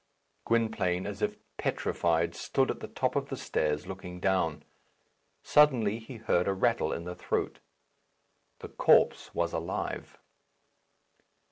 Gwynplaine, as if petrified, stood at the top of the stairs, looking down. Suddenly he heard a rattle in the throat. The corpse was alive.